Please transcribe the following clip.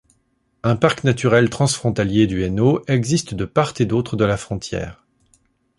Un Parc naturel transfrontalier du Hainaut existe de part et d'autre de la frontière.